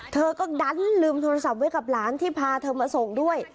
เธอก็ดันลืมโทรศัพท์ไว้กับหลานที่พาเธอมาส่งด้วย